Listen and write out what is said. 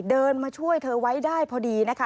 เดินมาช่วยเธอไว้ได้พอดีนะคะ